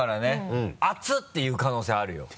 「熱い！」って言う可能性あるよ